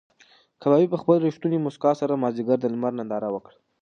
کبابي په خپله رښتونې موسکا سره د مازدیګر د لمر ننداره وکړه.